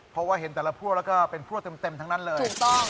เพราะว่าเห็นแต่ละพวกแล้วก็เป็นพวกเต็มทั้งนั้นเลย